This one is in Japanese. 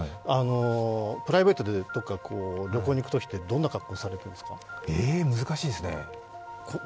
プライベートでどこか旅行に行くときってどんな格好をされてますか？